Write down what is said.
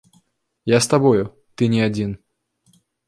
Я з табою, ты не адзін.